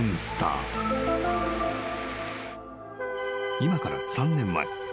［今から３年前。